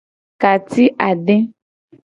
Ka ci ade.